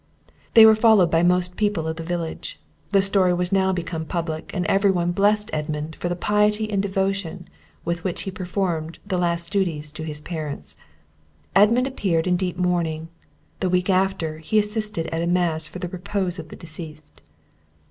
They were followed by most people of the village. The story was now become public, and every one blessed Edmund for the piety and devotion with which he performed the last duties to his parents. Edmund appeared in deep mourning; the week after, he assisted at a mass for the repose of the deceased.